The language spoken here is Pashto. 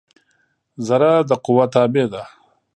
ذره د قوؤ تابع ده.